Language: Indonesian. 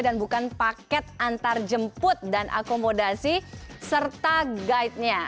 dan bukan paket antar jemput dan akomodasi serta guide nya